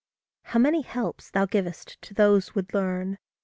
How many helps thou giv'st to those would learn!